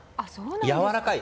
やわらかい。